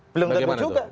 belum tentu juga